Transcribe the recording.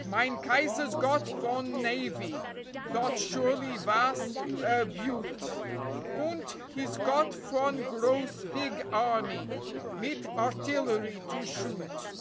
Mine Kaiser's got von navy Dot surely vas a beaut. Unt he's got von gross big army, Mit artillery to shoot.